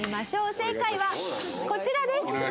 正解はこちらです。